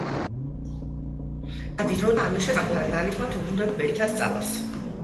გადის დრო და ალიოშა საკუთარი ძალისხმევით უბრუნდება ბეჯითად სწავლას.